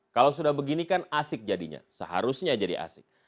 kalau sudah begini kan asik jadinya seharusnya jadi asik